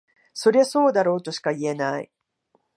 そりゃそうだろとしか言えない